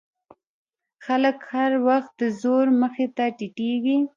خلک هر وخت د زور مخې ته ټیټېږي.